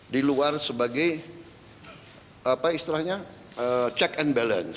di luar sebagai apa istilahnya check and balance